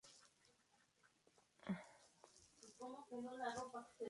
Visitando, en cortos periodos, su país de nacimiento.